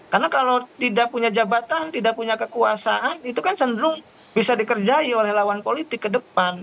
karena kalau tidak punya jabatan tidak punya kekuasaan itu kan senderung bisa dikerjai oleh lawan politik ke depan